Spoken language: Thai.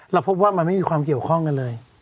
เราพบว่ามันไม่มีความเกี่ยวข้องกันเลย